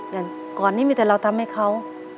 อย่างก่อนนี้มีแต่เราทำให้เขา